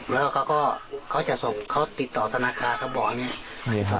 แล้วก็เขาจะส่งเขาติดต่อธนาคาเขาบอก